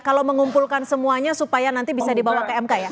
kalau mengumpulkan semuanya supaya nanti bisa dibawa ke mk ya